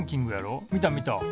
見た見た。